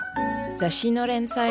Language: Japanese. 雑誌の連載